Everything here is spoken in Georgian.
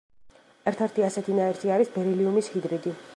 ერთ-ერთი ასეთი ნაერთი არის ბერილიუმის ჰიდრიდი.